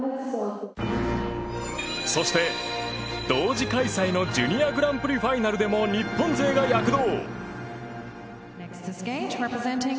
そして、同時開催のジュニアグランプリファイナルでも日本勢が躍動。